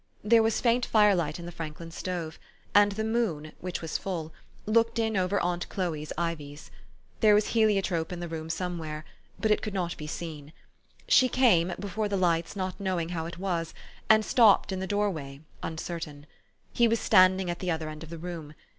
There was faint firelight in the Franklin stove ; and the moon, which was full, looked in over aunt Chloe's ivies. There was heliotrope in the room somewhere ; but it could not be seen. She came, before the lights, not knowing how it was, and stopped in the doorway, uncertain. He was standing at the other end of the room.